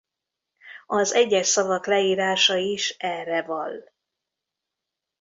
Az egyes szavak leírása is erre vall.